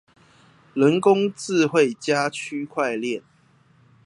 人工智慧加區塊鏈